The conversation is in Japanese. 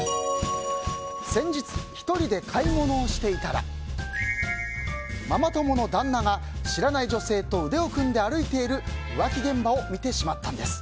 先日、１人で買い物をしていたらママ友の旦那が知らない女性と腕を組んで歩いている浮気現場を見てしまったんです。